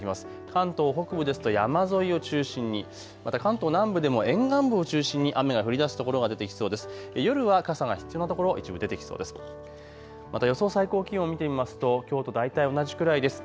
関東北部ですと山沿いを中心に、また関東南部でも沿岸部を中心に雨が降りだす所が出てきそうです。